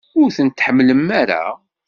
Ur tent-tḥemmlem ara?